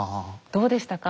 どうでしたか？